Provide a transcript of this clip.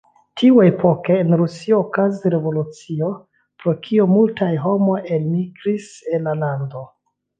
Tiuepoke en Rusio okazis revolucio, pro kio multaj homoj elmigris el la lando.